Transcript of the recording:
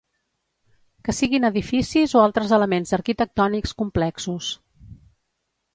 Que siguin edificis o altres elements arquitectònics complexos.